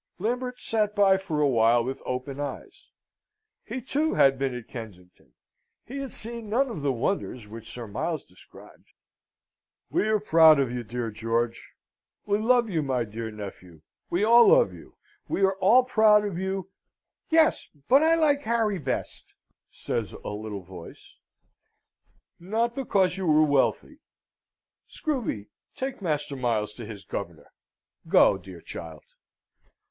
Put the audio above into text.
Lambert sat by for a while with open eyes. He, too, had been at Kensington. He had seen none of the wonders which Sir Miles described. "We are proud of you, dear George. We love you, my dear nephew we all love you, we are all proud of you " "Yes; but I like Harry best," says a little voice. " not because you are wealthy! Screwby, take Master Miles to his governor. Go, dear child.